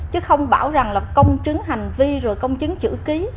chứ không bảo rằng là công chứng hành vi rồi công chứng chữ ký